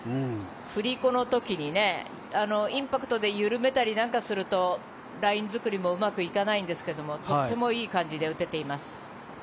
振り子の時にインパクトで緩めたりなんかするとライン作りもうまくいかないんですがとってもいい感じで打てています。